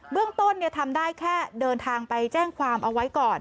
เรื่องต้นทำได้แค่เดินทางไปแจ้งความเอาไว้ก่อน